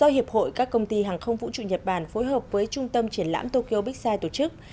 do hiệp hội các công ty hàng không vũ trụ nhật bản phối hợp với trung tâm triển lãm tokyo bixide tổ chức